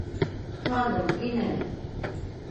Tanrım, yine mi?